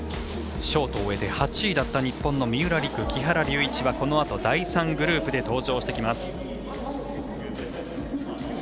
ショートを終えて８位だった日本の三浦璃来、木原龍一はこのあと、第３グループで登場してきます。